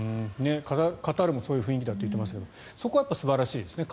カタールもそういう雰囲気だと言っていましたがそこは素晴らしいですね